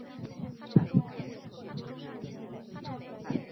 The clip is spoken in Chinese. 因为这样容易让人们倾向忘记后续对印第安人的杀戮历史。